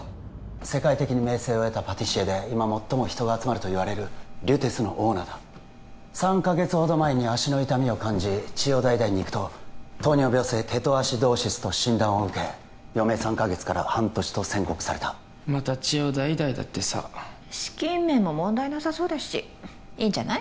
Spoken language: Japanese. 世界的に名声を得たパティシエで今最も人が集まるといわれるＬＵＴＥＣＥのオーナーだ３カ月ほど前に足の痛みを感じ千代田医大に行くと糖尿病性ケトアシドーシスと診断を受け余命３カ月から半年と宣告されたまた千代田医大だってさ資金面も問題なさそうだしいいんじゃない？